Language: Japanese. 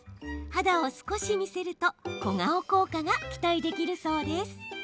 肌を少し見せると小顔効果が期待できるそうです。